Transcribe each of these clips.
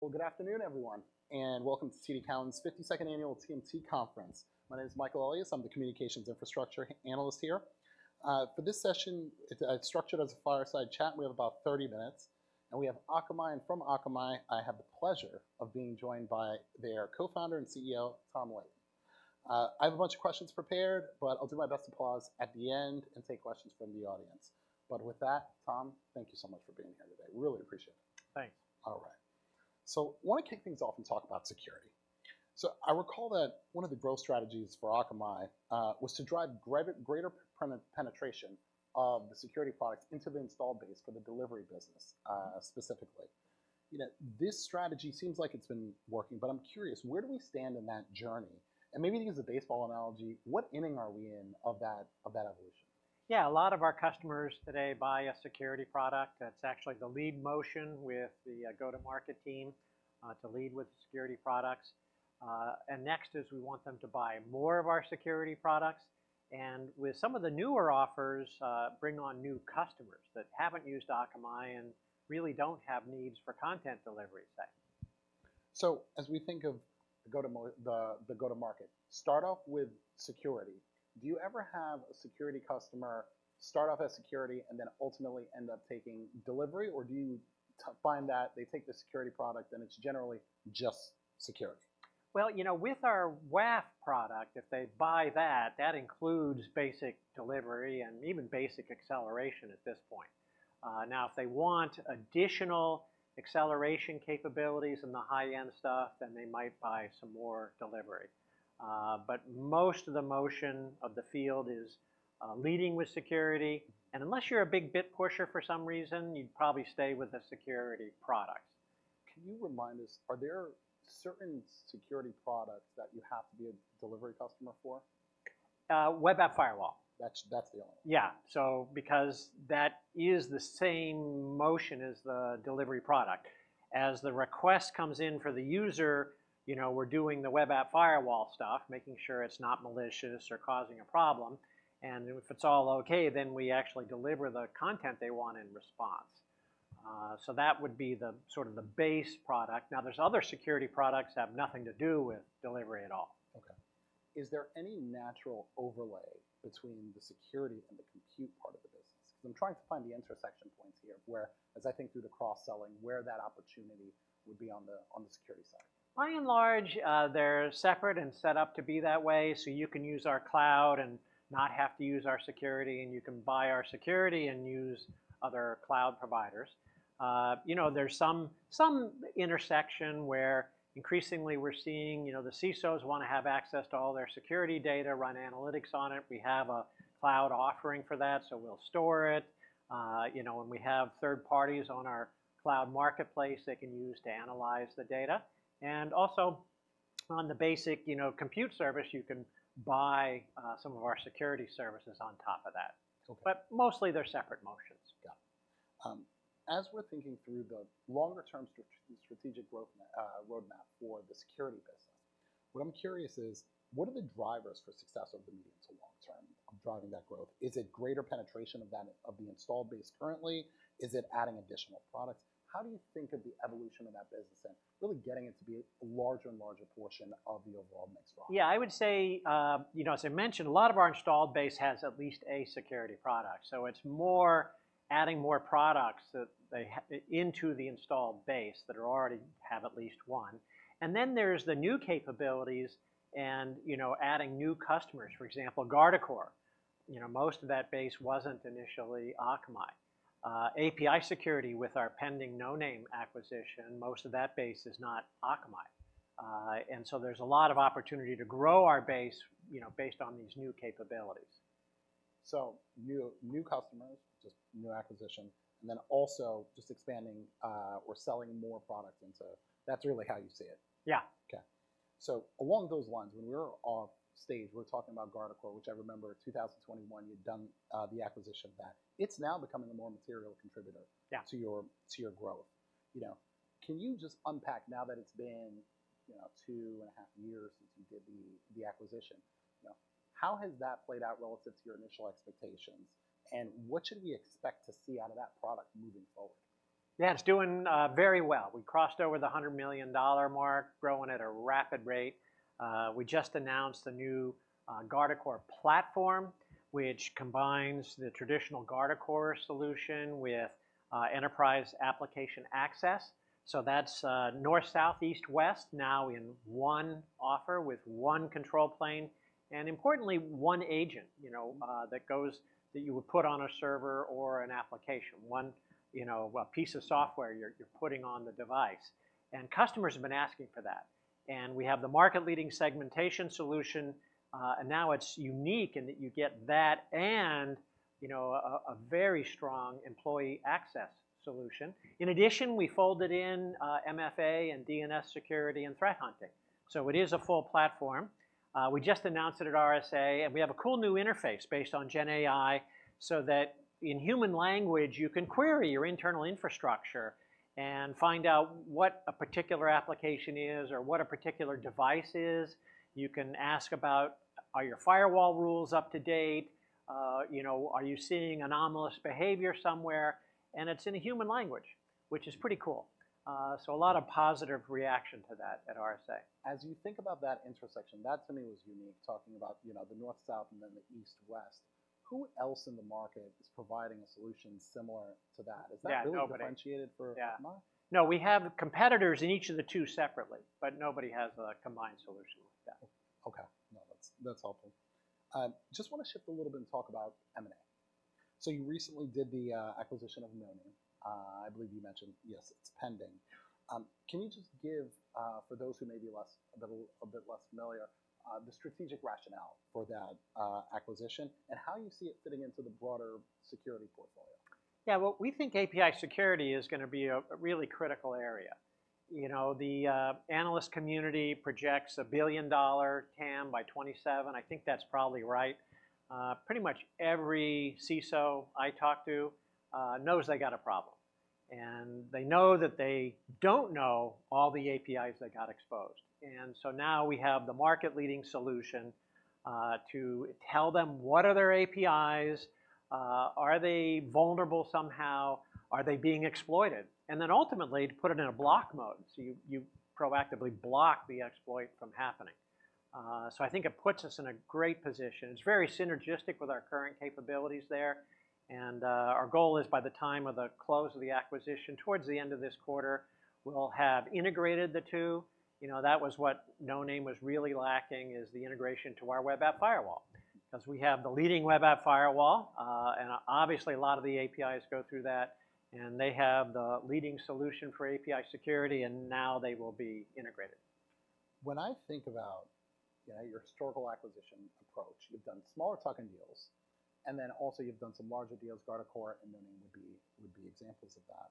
Well, good afternoon, everyone, and welcome to TD Cowen's 52nd annual TMT conference. My name is Michael Elias. I'm the Communications Infrastructure Analyst here. For this session, it structured as a fireside chat, we have about 30 minutes, and we have Akamai. And from Akamai, I have the pleasure of being joined by their Co-Founder and CEO, Tom Leighton. I have a bunch of questions prepared, but I'll do my best to pause at the end and take questions from the audience. But with that, Tom, thank you so much for being here today. Really appreciate it. Thanks. All right. So I wanna kick things off and talk about security. So I recall that one of the growth strategies for Akamai was to drive greater penetration of the security products into the installed base for the delivery business, specifically. You know, this strategy seems like it's been working, but I'm curious, where do we stand in that journey? And maybe to use a baseball analogy, what inning are we in of that evolution? Yeah, a lot of our customers today buy a security product. That's actually the lead motion with the go-to-market team to lead with the security products. Next is we want them to buy more of our security products, and with some of the newer offers, bring on new customers that haven't used Akamai and really don't have needs for content delivery, per se. So as we think of the go-to-market, start off with security. Do you ever have a security customer start off as security and then ultimately end up taking delivery? Or do you find that they take the security product, and it's generally just security? Well, you know, with our WAF product, if they buy that, that includes basic delivery and even basic acceleration at this point. Now, if they want additional acceleration capabilities and the high-end stuff, then they might buy some more delivery. But most of the motion of the field is leading with security, and unless you're a big bit pusher, for some reason, you'd probably stay with the security product. Can you remind us, are there certain security products that you have to be a delivery customer for? Web App Firewall. That's the only one. Yeah. So because that is the same motion as the delivery product. As the request comes in for the user, you know, we're doing the Web App Firewall stuff, making sure it's not malicious or causing a problem, and if it's all okay, then we actually deliver the content they want in response. So that would be the sort of the base product. Now, there's other security products that have nothing to do with delivery at all. Okay. Is there any natural overlay between the security and the compute part of the business? Because I'm trying to find the intersection points here, where, as I think through the cross-selling, where that opportunity would be on the, on the security side. By and large, they're separate and set up to be that way, so you can use our cloud and not have to use our security, and you can buy our security and use other cloud providers. You know, there's some, some intersection where increasingly we're seeing, you know, the CISOs wanna have access to all their security data, run analytics on it. We have a cloud offering for that, so we'll store it. You know, when we have third parties on our cloud marketplace, they can use to analyze the data. And also on the basic, you know, compute service, you can buy some of our security services on top of that. Okay. But mostly, they're separate motions. Got it. As we're thinking through the longer-term strategic growth roadmap for the security business, what I'm curious is: What are the drivers for success over the medium to long-term, driving that growth? Is it greater penetration of that, of the installed base currently? Is it adding additional products? How do you think of the evolution of that business and really getting it to be a larger and larger portion of the overall mix growth? Yeah, I would say, you know, as I mentioned, a lot of our installed base has at least a security product, so it's more adding more products into the installed base that already have at least one. And then there's the new capabilities and, you know, adding new customers, for example, Guardicore. You know, most of that base wasn't initially Akamai. API security with our pending Noname acquisition, most of that base is not Akamai. And so there's a lot of opportunity to grow our base, you know, based on these new capabilities. So new, new customers, just new acquisition, and then also just expanding, or selling more products into... That's really how you see it? Yeah. Okay. So along those lines, when we were off stage, we were talking about Guardicore, which I remember in 2021, you'd done the acquisition of that. It's now becoming a more material contributor- Yeah... to your, to your growth. You know, can you just unpack, now that it's been, you know, two and a half years since you did the, the acquisition, you know, how has that played out relative to your initial expectations, and what should we expect to see out of that product moving forward? Yeah, it's doing very well. We crossed over the $100 million mark, growing at a rapid rate. We just announced the new Guardicore platform, which combines the traditional Guardicore solution with Enterprise Application Access. So that's North, South, East, West, now in one offer with one control plane and importantly, one agent, you know, that goes—that you would put on a server or an application. One, you know, a piece of software you're putting on the device, and customers have been asking for that. And we have the market-leading segmentation solution, and now it's unique in that you get that and, you know, a very strong employee access solution. In addition, we folded in MFA and DNS security and threat hunting, so it is a full platform. We just announced it at RSA, and we have a cool new interface based on GenAI, so that in human language, you can query your internal infrastructure and find out what a particular application is or what a particular device is. You can ask about, are your firewall rules up to date? You know, are you seeing anomalous behavior somewhere?... and it's in a human language, which is pretty cool. So a lot of positive reaction to that at RSA. As you think about that intersection, that to me was unique, talking about, you know, the north-south, and then the east-west. Who else in the market is providing a solution similar to that? Yeah, nobody. Is that really differentiated for Akamai? Yeah. No, we have competitors in each of the two separately, but nobody has a combined solution like that. Okay. No, that's, that's helpful. Just wanna shift a little bit and talk about M&A. So you recently did the acquisition of Noname. I believe you mentioned, yes, it's pending. Can you just give, for those who may be a little bit less familiar, the strategic rationale for that acquisition, and how you see it fitting into the broader security portfolio? Yeah. Well, we think API security is gonna be a really critical area. You know, the analyst community projects a billion-dollar TAM by 2027. I think that's probably right. Pretty much every CISO I talk to knows they got a problem, and they know that they don't know all the APIs that got exposed. And so now we have the market-leading solution to tell them what are their APIs, are they vulnerable somehow, are they being exploited? And then ultimately, to put it in a block mode, so you proactively block the exploit from happening. So I think it puts us in a great position. It's very synergistic with our current capabilities there, and our goal is, by the time of the close of the acquisition, towards the end of this quarter, we'll have integrated the two. You know, that was what Noname was really lacking, is the integration to our web app firewall. 'Cause we have the leading web app firewall, and obviously, a lot of the APIs go through that, and they have the leading solution for API security, and now they will be integrated. When I think about, you know, your historical acquisition approach, you've done smaller tuck-in deals, and then also you've done some larger deals. Guardicore and NoName would be examples of that.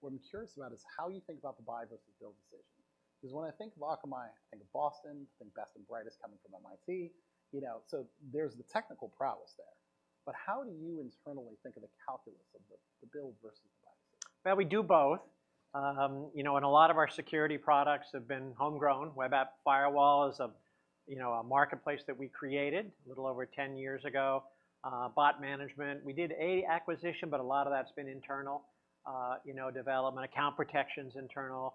What I'm curious about is how you think about the buy versus build decision. 'Cause when I think of Akamai, I think of Boston, I think best and brightest coming from MIT, you know, so there's the technical prowess there. But how do you internally think of the calculus of the build versus the buy decision? Well, we do both. You know, and a lot of our security products have been homegrown. Web App Firewall is a, you know, a marketplace that we created a little over 10 years ago. Bot management, we did a acquisition, but a lot of that's been internal, you know, development. Account Protection's internal,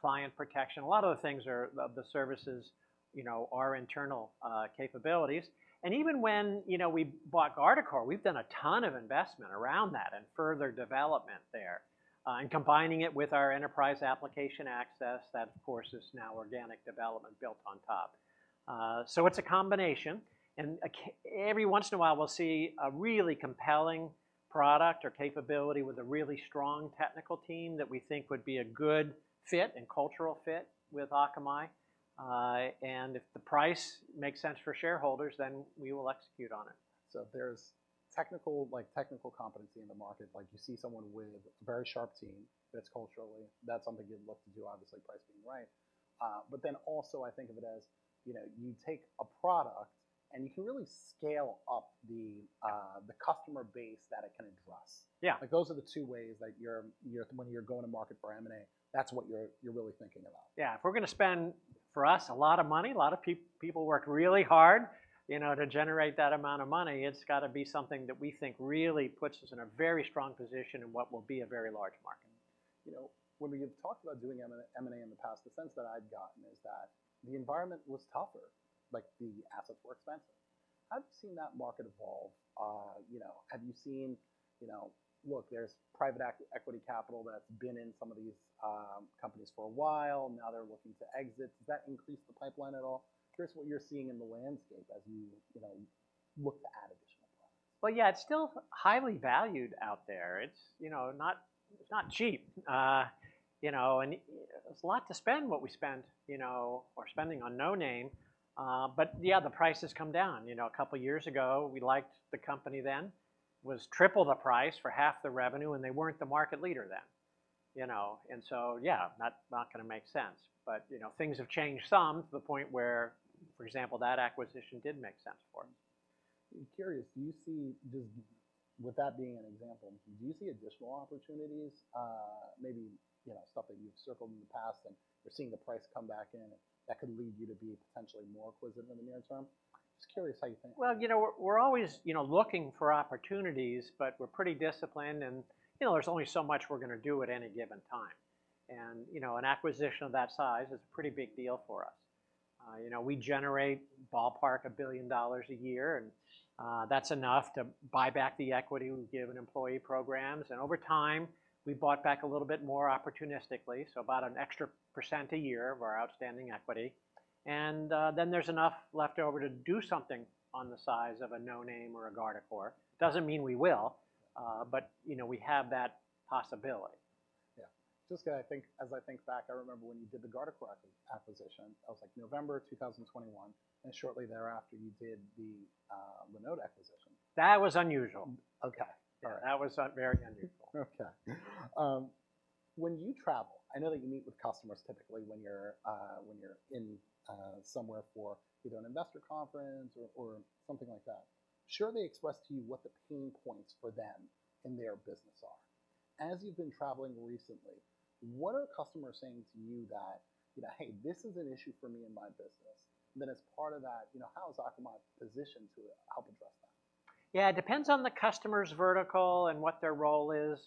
Client Protection, a lot of the things are, the services, you know, are internal, capabilities. And even when, you know, we bought Guardicore, we've done a ton of investment around that and further development there. And combining it with our enterprise application access, that, of course, is now organic development built on top. So it's a combination, and every once in a while, we'll see a really compelling product or capability with a really strong technical team that we think would be a good fit and cultural fit with Akamai. And if the price makes sense for shareholders, then we will execute on it. So there's technical, like technical competency in the market. Like, you see someone with a very sharp team that's culturally, that's something you'd look to do, obviously, price being right. But then also, I think of it as, you know, you take a product, and you can really scale up the, the customer base that it can address. Yeah. Like, those are the two ways that you're when you're going to market for M&A, that's what you're really thinking about. Yeah. If we're gonna spend, for us, a lot of money, a lot of people work really hard, you know, to generate that amount of money, it's gotta be something that we think really puts us in a very strong position in what will be a very large market. You know, when we have talked about doing M&A, M&A in the past, the sense that I've gotten is that the environment was tougher, like the assets were expensive. How have you seen that market evolve? You know, have you seen... You know, look, there's private equity capital that's been in some of these companies for a while, now they're looking to exit. Does that increase the pipeline at all? Curious what you're seeing in the landscape as you, you know, look to add additional products. Well, yeah, it's still highly valued out there. It's, you know, not cheap. You know, and it's a lot to spend what we spent, you know, or spending on Noname. But yeah, the price has come down. You know, a couple of years ago, we liked the company then, was triple the price for half the revenue, and they weren't the market leader then. You know, and so, yeah, not gonna make sense, but, you know, things have changed some to the point where, for example, that acquisition did make sense for them. I'm curious, do you see with that being an example, do you see additional opportunities, maybe, you know, stuff that you've circled in the past and you're seeing the price come back in, that could lead you to be potentially more acquisitive in the near-term? Just curious how you think. Well, you know, we're always, you know, looking for opportunities, but we're pretty disciplined, and, you know, there's only so much we're gonna do at any given time. And, you know, an acquisition of that size is a pretty big deal for us. You know, we generate ballpark $1 billion a year, and that's enough to buy back the equity we give in employee programs. And over time, we've bought back a little bit more opportunistically, so about an extra 1% a year of our outstanding equity. And then there's enough left over to do something on the size of a Noname or a Guardicore. Doesn't mean we will, but, you know, we have that possibility. Yeah. Just gonna think, as I think back, I remember when you did the Guardicore acquisition, that was like November 2021, and shortly thereafter, you did the Linode acquisition. That was unusual. Okay, all right. That was very unusual. Okay. When you travel, I know that you meet with customers typically when you're, when you're in, somewhere for either an investor conference or, or something like that. Sure they express to you what the pain points for them in their business are?... As you've been traveling recently, what are customers saying to you that, you know, "Hey, this is an issue for me and my business," and then as part of that, you know, how is Akamai positioned to help address that? Yeah, it depends on the customer's vertical and what their role is.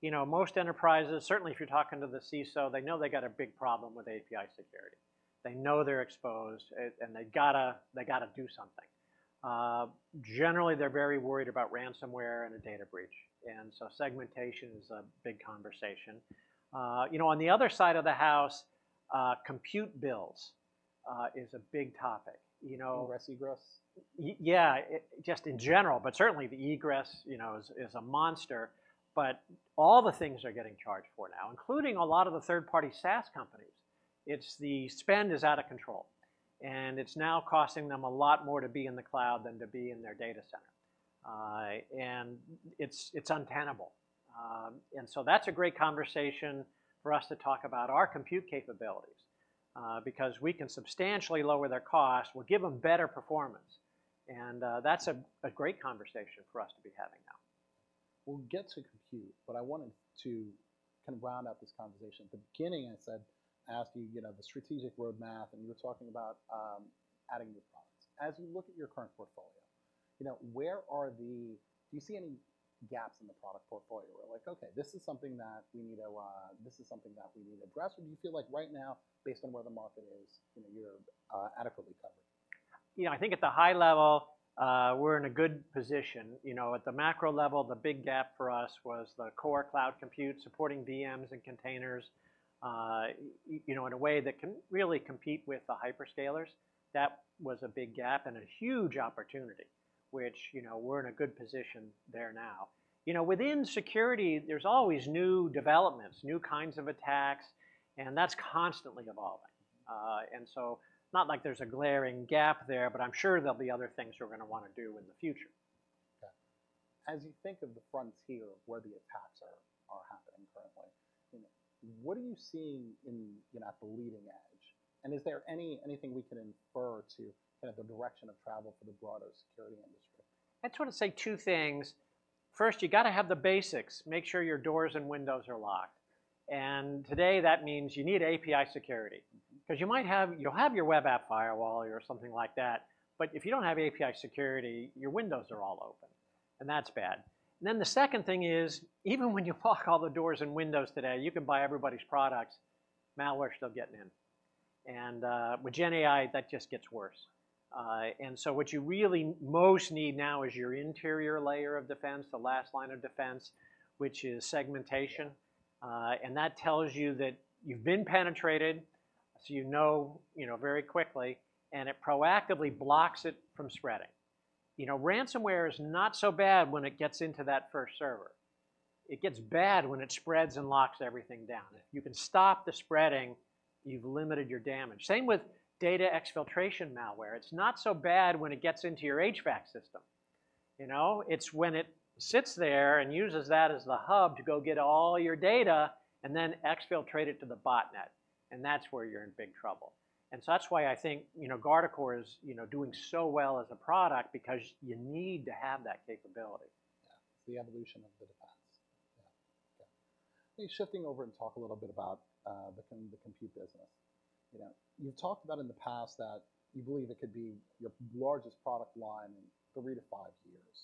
You know, most enterprises, certainly if you're talking to the CISO, they know they've got a big problem with API security. They know they're exposed, and they gotta, they gotta do something. Generally, they're very worried about ransomware and a data breach, and so segmentation is a big conversation. You know, on the other side of the house, compute bills is a big topic, you know. Pricey egress? Yeah, just in general, but certainly the egress, you know, is a monster. But all the things are getting charged for now, including a lot of the third-party SaaS companies. It's the spend is out of control, and it's now costing them a lot more to be in the cloud than to be in their data center. And it's untenable. And so that's a great conversation for us to talk about our compute capabilities, because we can substantially lower their costs. We'll give them better performance, and that's a great conversation for us to be having now. We'll get to compute, but I wanted to kind of round out this conversation. At the beginning, I asked you, you know, the strategic roadmap, and you were talking about adding new products. As you look at your current portfolio, you know, where are the. Do you see any gaps in the product portfolio? Where like, okay, this is something that we need to, this is something that we need to address, or do you feel like right now, based on where the market is, you know, you're adequately covered? You know, I think at the high level, we're in a good position. You know, at the macro level, the big gap for us was the core cloud compute, supporting VMs and containers, you know, in a way that can really compete with the hyperscalers. That was a big gap and a huge opportunity, which, you know, we're in a good position there now. You know, within security, there's always new developments, new kinds of attacks, and that's constantly evolving. And so not like there's a glaring gap there, but I'm sure there'll be other things we're gonna wanna do in the future. Okay. As you think of the frontier of where the attacks are happening currently, you know, what are you seeing in, you know, at the leading edge? And is there anything we can infer to kind of the direction of travel for the broader security industry? I'd sort of say two things. First, you gotta have the basics. Make sure your doors and windows are locked, and today that means you need API security. 'Cause you might have you'll have your web app firewall or something like that, but if you don't have API security, your windows are all open, and that's bad. And then the second thing is, even when you lock all the doors and windows today, you can buy everybody's products, malware's still getting in, and with GenAI, that just gets worse. And so what you really most need now is your interior layer of defense, the last line of defense, which is segmentation. Yeah. And that tells you that you've been penetrated, so you know, you know, very quickly, and it proactively blocks it from spreading. You know, ransomware is not so bad when it gets into that first server. It gets bad when it spreads and locks everything down. If you can stop the spreading, you've limited your damage. Same with data exfiltration malware. It's not so bad when it gets into your HVAC system. You know, it's when it sits there and uses that as the hub to go get all your data and then exfiltrate it to the botnet, and that's where you're in big trouble. And so that's why I think, you know, Guardicore is, you know, doing so well as a product because you need to have that capability. Yeah, it's the evolution of the defense. Yeah. Yeah. Maybe shifting over and talk a little bit about the compute business. You know, you've talked about in the past that you believe it could be your largest product line in three to five years,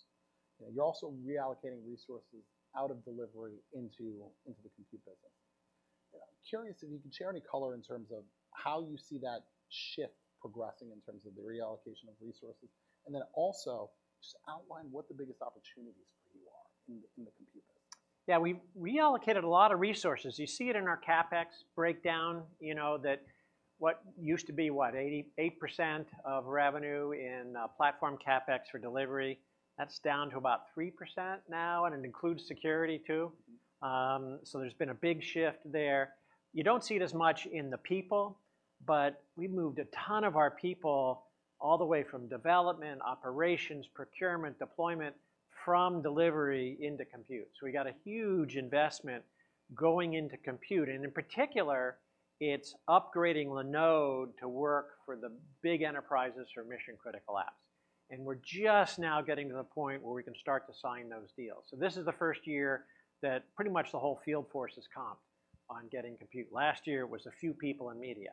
and you're also reallocating resources out of delivery into the compute business. I'm curious if you can share any color in terms of how you see that shift progressing in terms of the reallocation of resources, and then also, just outline what the biggest opportunities for you are in the compute business. Yeah, we've reallocated a lot of resources. You see it in our CapEx breakdown, you know, that what used to be, what? 88% of revenue in platform CapEx for delivery, that's down to about 3% now, and it includes security too. So there's been a big shift there. You don't see it as much in the people, but we moved a ton of our people all the way from development, operations, procurement, deployment, from delivery into compute. So we got a huge investment going into compute, and in particular, it's upgrading Linode to work for the big enterprises for mission-critical apps. And we're just now getting to the point where we can start to sign those deals. So this is the first year that pretty much the whole field force is comped on getting compute. Last year, it was a few people in media.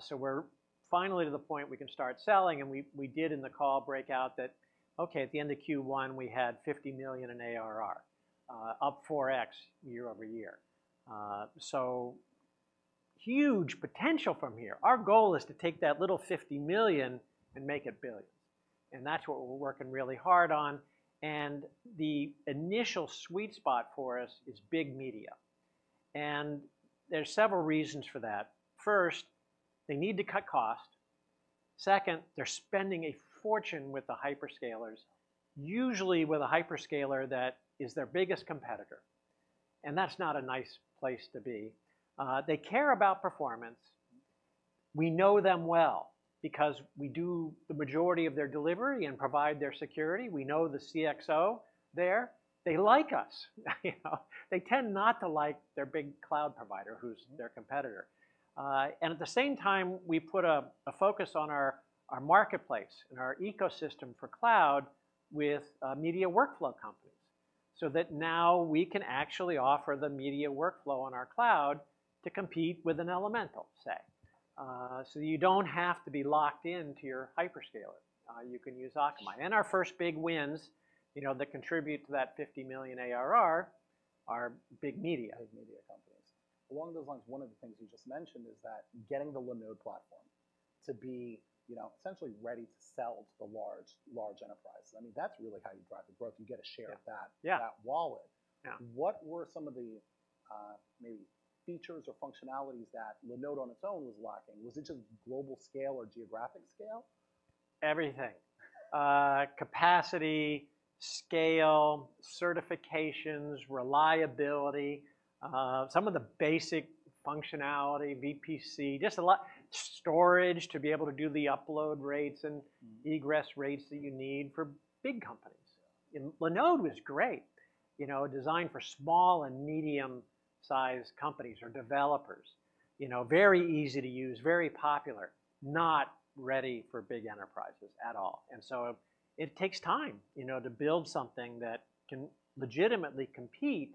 So we're finally to the point we can start selling, and we did in the call breakout that, okay, at the end of Q1, we had $50 million in ARR, up 4x year-over-year. So huge potential from here. Our goal is to take that little $50 million and make it billions, and that's what we're working really hard on, and the initial sweet spot for us is big media. And there's several reasons for that. First, they need to cut cost. Second, they're spending a fortune with the hyperscalers, usually with a hyperscaler that is their biggest competitor, and that's not a nice place to be. They care about performance. We know them well because we do the majority of their delivery and provide their security. We know the CXO there. They like us. You know, they tend not to like their big cloud provider, who's their competitor. And at the same time, we put a focus on our marketplace and our ecosystem for cloud with media workflow companies, so that now we can actually offer the media workflow on our cloud to compete with an Elemental, say. So you don't have to be locked into your hyperscaler. You can use Akamai. And our first big wins, you know, that contribute to that $50 million ARR are big media. Big media companies. Along those lines, one of the things you just mentioned is that getting the Linode platform to be, you know, essentially ready to sell to the large, large enterprises. I mean, that's really how you drive the growth. You get a share of that- Yeah -that wallet. Yeah. What were some of the, maybe features or functionalities that Linode on its own was lacking? Was it just global scale or geographic scale? Everything. Capacity, scale, certifications, reliability, some of the basic functionality, VPC, just a lot, storage, to be able to do the upload rates and egress rates that you need for big companies. Linode was great, you know, designed for small and medium-sized companies or developers. You know, very easy to use, very popular, not ready for big enterprises at all. So it takes time, you know, to build something that can legitimately compete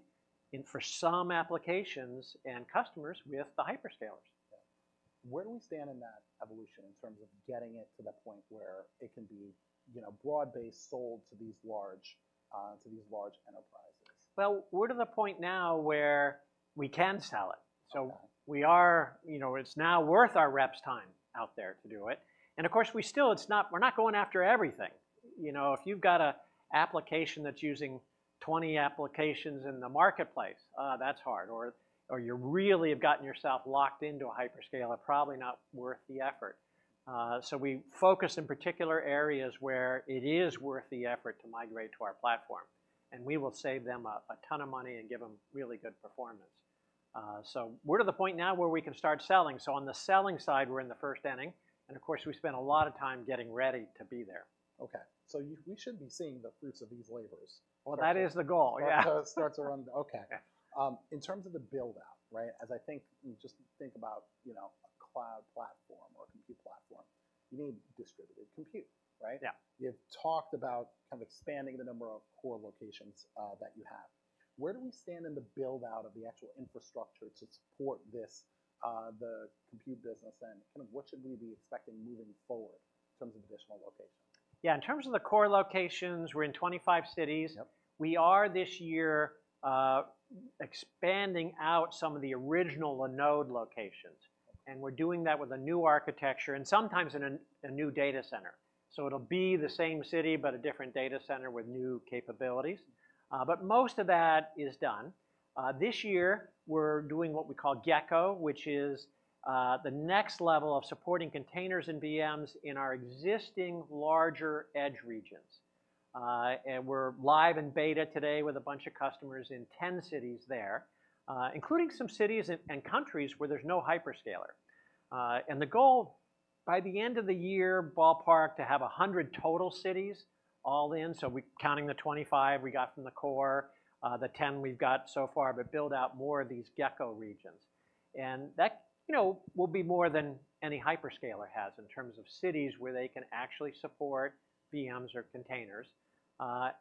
in, for some applications and customers, with the hyperscalers. Where do we stand in that evolution in terms of getting it to the point where it can be, you know, broad-based sold to these large, to these large enterprises? Well, we're to the point now where we can sell it. Okay. So we are. You know, it's now worth our reps' time out there to do it, and of course, we still, it's not, we're not going after everything. You know, if you've got an application that's using 20 applications in the marketplace, that's hard. Or you really have gotten yourself locked into a hyperscaler, probably not worth the effort. So we focus in particular areas where it is worth the effort to migrate to our platform, and we will save them a ton of money and give them really good performance. So we're to the point now where we can start selling. So on the selling side, we're in the first inning, and of course, we spent a lot of time getting ready to be there. Okay. So you we should be seeing the fruits of these labors. Well, that is the goal, yeah. Starts around... Okay. Yeah. In terms of the build-out, right? Just think about, you know, a Cloud platform or Compute platform. You need distributed compute, right? Yeah. You've talked about kind of expanding the number of core locations that you have. Where do we stand in the build-out of the actual infrastructure to support this, the Compute business, and kind of what should we be expecting moving forward in terms of additional locations? Yeah, in terms of the core locations, we're in 25 cities. Yep. We are, this year, expanding out some of the original Linode locations, and we're doing that with a new architecture and sometimes in a new data center. So it'll be the same city, but a different data center with new capabilities. But most of that is done. This year, we're doing what we call Gecko, which is the next level of supporting containers and VMs in our existing larger edge regions. And we're live in beta today with a bunch of customers in 10 cities there, including some cities and countries where there's no hyperscaler. And the goal, by the end of the year, ballpark, to have 100 total cities all in. So we, counting the 25 we got from the core, the 10 we've got so far, but build out more of these Gecko regions. That, you know, will be more than any hyperscaler has in terms of cities where they can actually support VMs or containers.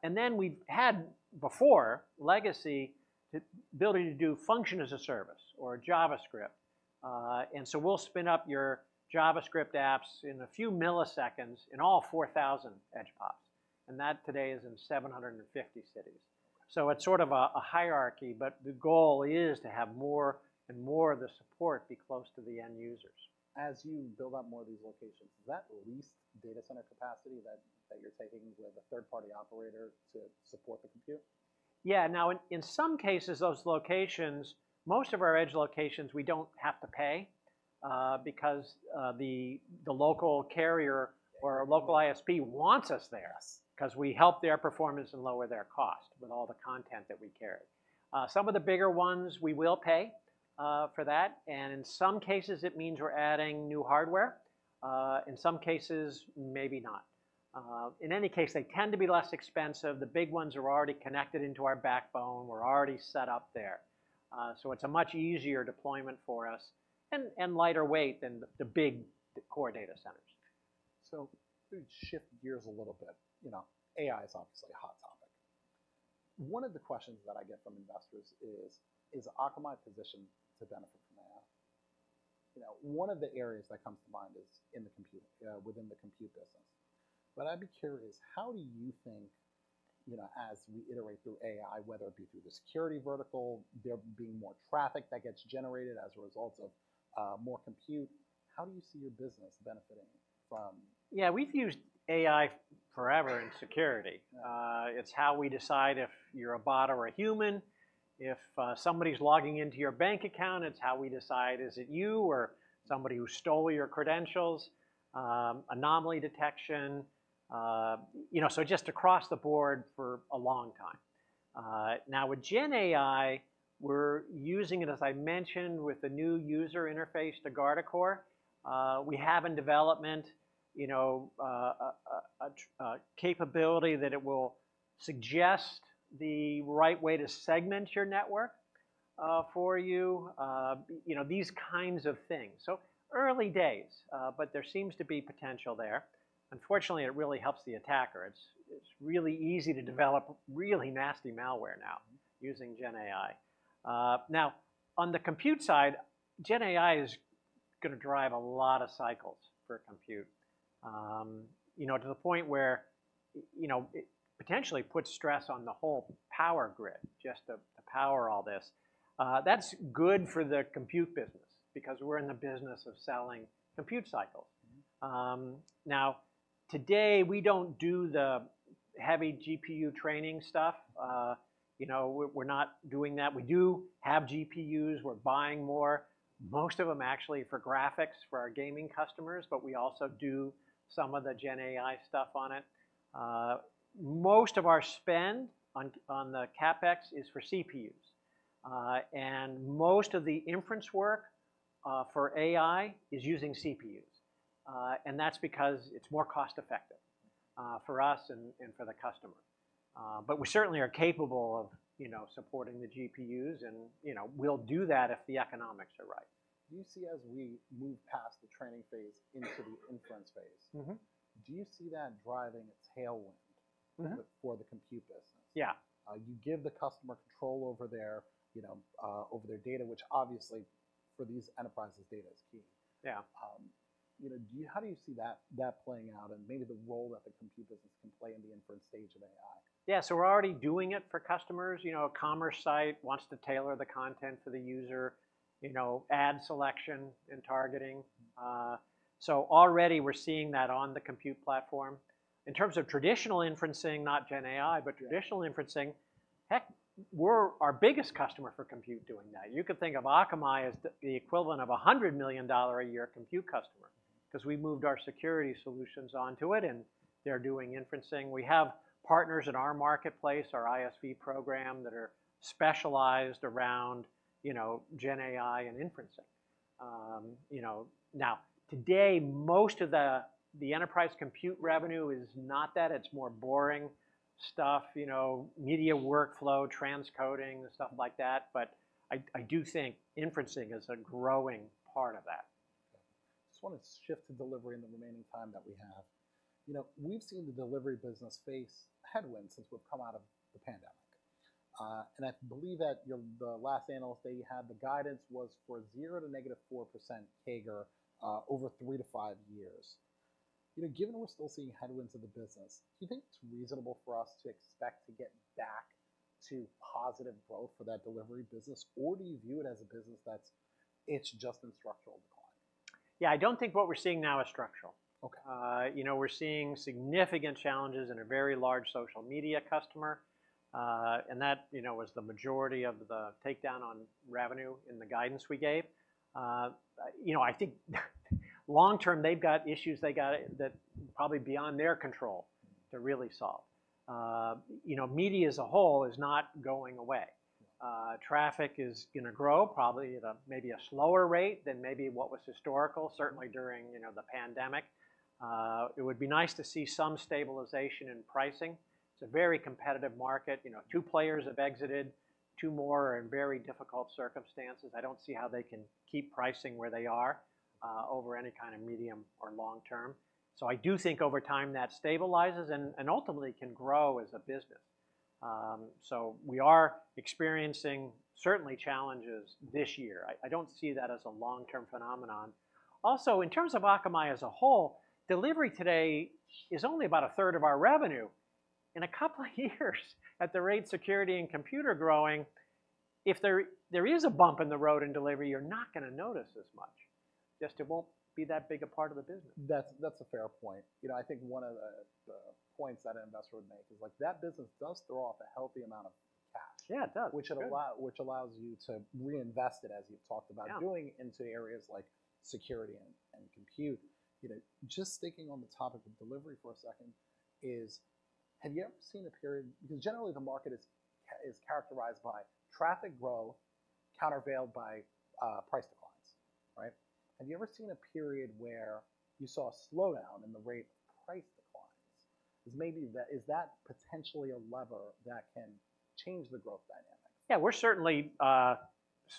And then we've had before, legacy, the ability to do function-as-a-service or JavaScript. And so we'll spin up your JavaScript apps in a few milliseconds in all 4,000 edge PoPs, and that today is in 750 cities. So it's sort of a, a hierarchy, but the goal is to have more and more of the support be close to the end users. As you build out more of these locations, is that leased data center capacity that you're taking with a third-party operator to support the compute? Yeah. Now, in some cases, those locations, most of our edge locations, we don't have to pay, because the local carrier or local ISP wants us there- Yes 'Cause we help their performance and lower their cost with all the content that we carry. Some of the bigger ones we will pay for that, and in some cases, it means we're adding new hardware, in some cases, maybe not. In any case, they tend to be less expensive. The big ones are already connected into our backbone, or already set up there. So it's a much easier deployment for us and lighter weight than the big core data centers. So let's shift gears a little bit. You know, AI is obviously a hot topic. One of the questions that I get from investors is: Is Akamai positioned to benefit from AI? You know, one of the areas that comes to mind is in the compute within the compute business. But I'd be curious, how do you think, you know, as we iterate through AI, whether it be through the security vertical, there being more traffic that gets generated as a result of more compute, how do you see your business benefiting from. Yeah, we've used AI forever in security. It's how we decide if you're a bot or a human, if somebody's logging into your bank account, it's how we decide, is it you or somebody who stole your credentials? Anomaly detection, you know, so just across the board for a long time. Now with GenAI, we're using it, as I mentioned, with the new user interface to Guardicore. We have in development, you know, a capability that it will suggest the right way to segment your network for you, you know, these kinds of things. So early days, but there seems to be potential there. Unfortunately, it really helps the attacker. It's really easy to develop really nasty malware now using GenAI. Now, on the compute side, GenAI is gonna drive a lot of cycles for compute. You know, to the point where you know, it potentially puts stress on the whole power grid, just to power all this. That's good for the Compute business, because we're in the business of selling compute cycle. Now, today, we don't do the heavy GPU training stuff. You know, we're not doing that. We do have GPUs, we're buying more, most of them actually for graphics, for our gaming customers, but we also do some of the gen AI stuff on it. Most of our spend on the CapEx is for CPUs. And most of the inference work for AI is using CPUs. And that's because it's more cost-effective for us and for the customer. But we certainly are capable of supporting the GPUs and, you know, we'll do that if the economics are right. Do you see as we move past the training phase into the inference phase? Do you see that driving a tailwind? For the compute business? Yeah. You give the customer control over their, you know, over their data, which obviously, for these enterprises, data is key. Yeah. You know, how do you see that, that playing out, and maybe the role that the compute business can play in the inference stage of AI? Yeah, so we're already doing it for customers. You know, a commerce site wants to tailor the content for the user, you know, ad selection and targeting. So already we're seeing that on the compute platform. In terms of traditional inferencing, not GenAI- Yeah But traditional inferencing, heck, we're our biggest customer for compute doing that. You can think of Akamai as the equivalent of a $100 million a year compute customer, 'cause we moved our security solutions onto it, and they're doing inferencing. We have partners in our marketplace, our ISV program, that are specialized around, you know, GenAI and inferencing. You know, now, today, most of the enterprise compute revenue is not that. It's more boring stuff, you know, media workflow, transcoding, and stuff like that. But I do think inferencing is a growing part of that. Just wanted to shift to delivery in the remaining time that we have. You know, we've seen the delivery business face headwinds since we've come out of the pandemic. And I believe that the last analyst day you had, the guidance was for 0% to -4% CAGR over 3-5 years. You know, given we're still seeing headwinds in the business, do you think it's reasonable for us to expect to get back to positive growth for that delivery business? Or do you view it as a business that's, it's just in structural decline? Yeah, I don't think what we're seeing now is structural. Okay. You know, we're seeing significant challenges in a very large social media customer. And that, you know, was the majority of the takedown on revenue in the guidance we gave. You know, I think long-term, they've got issues that probably beyond their control to really solve. You know, media as a whole is not going away. Traffic is gonna grow, probably at a maybe a slower rate than maybe what was historical, certainly during, you know, the pandemic. It would be nice to see some stabilization in pricing. It's a very competitive market. You know, two players have exited, two more are in very difficult circumstances. I don't see how they can keep pricing where they are over any kind of medium or long-term. So I do think over time, that stabilizes and ultimately can grow as a business. So, we are experiencing, certainly challenges this year. I don't see that as a long-term phenomenon. Also, in terms of Akamai as a whole, delivery today is only about a third of our revenue. In a couple of years, at the rate security and compute are growing, if there is a bump in the road in delivery, you're not gonna notice as much. Just it won't be that big a part of the business. That's, that's a fair point. You know, I think one of the, the points that an investor would make is like, that business does throw off a healthy amount of cash. Yeah, it does. Which allows you to reinvest it, as you've talked about. Yeah Doing into areas like security and, and compute. You know, just sticking on the topic of delivery for a second is: have you ever seen a period. Because generally, the market is characterized by traffic growth, countervailed by price declines. Right? Have you ever seen a period where you saw a slowdown in the rate of price declines? Is maybe that, is that potentially a lever that can change the growth dynamic? Yeah, we're certainly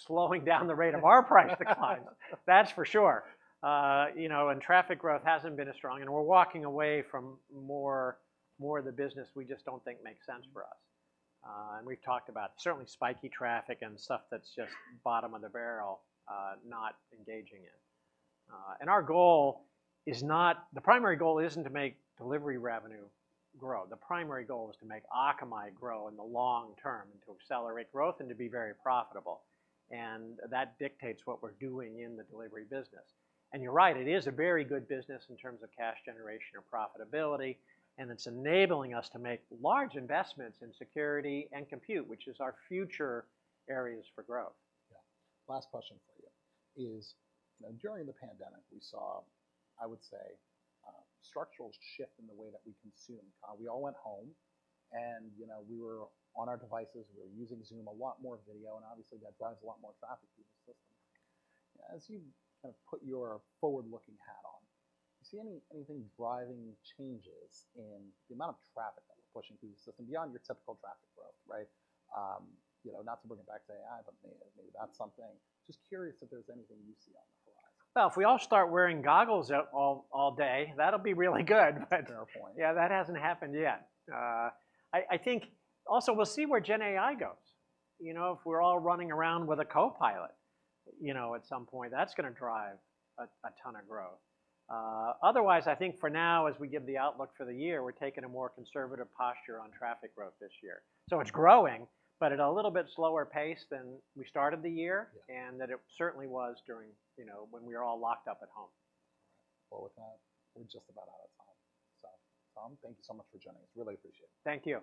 slowing down the rate of our price declines. That's for sure. You know, and traffic growth hasn't been as strong, and we're walking away from more, more of the business we just don't think makes sense for us. And we've talked about certainly spiky traffic and stuff that's just bottom of the barrel, not engaging in. And our goal is not the primary goal isn't to make delivery revenue grow. The primary goal is to make Akamai grow in the long-term, and to accelerate growth, and to be very profitable, and that dictates what we're doing in the delivery business. And you're right, it is a very good business in terms of cash generation or profitability, and it's enabling us to make large investments in security and compute, which is our future areas for growth. Yeah. Last question for you is, during the pandemic, we saw, I would say, a structural shift in the way that we consume. We all went home, and, you know, we were on our devices, we were using Zoom, a lot more video, and obviously, that drives a lot more traffic through the system. As you kind of put your forward-looking hat on, do you see anything driving changes in the amount of traffic that you're pushing through the system beyond your typical traffic growth, right? You know, not to bring it back to AI, but maybe that's something. Just curious if there's anything you see on the horizon. Well, if we all start wearing goggles all day, that'll be really good, but Fair point Yeah, that hasn't happened yet. I think also we'll see where gen AI goes. You know, if we're all running around with a copilot, you know, at some point, that's gonna drive a ton of growth. Otherwise, I think for now, as we give the outlook for the year, we're taking a more conservative posture on traffic growth this year. So it's growing, but at a little bit slower pace than we started the year. Yeah And then it certainly was during, you know, when we were all locked up at home. Well, with that, we're just about out of time. So, Tom, thank you so much for joining us. Really appreciate it. Thank you.